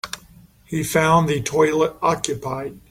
He found the toilet occupied.